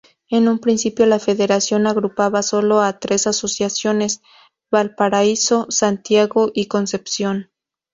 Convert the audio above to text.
En un principio la federación agrupaba sólo a tres asociaciones: Valparaíso, Santiago y Concepción.